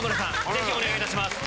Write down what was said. ぜひお願いいたします。